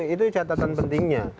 itu catatan pentingnya